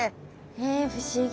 へえ不思議。